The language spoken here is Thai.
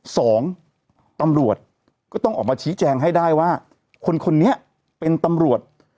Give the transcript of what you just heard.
สองตำรวจก็ต้องออกมาชี้แจงให้ได้ว่าคนคนนี้เป็นตำรวจ